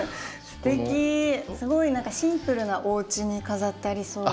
すごい何かシンプルなおうちに飾ってありそう。